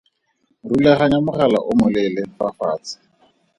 Rulaganyang mogala o moleele fa fatshe.